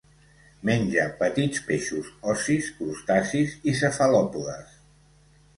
Menja petits peixos ossis, crustacis i cefalòpodes.